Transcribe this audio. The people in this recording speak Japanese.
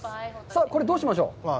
これ、どうしましょう？